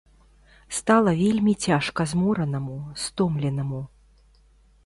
Стала вельмі цяжка зморанаму, стомленаму.